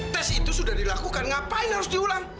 tes itu sudah dilakukan ngapain harus diulang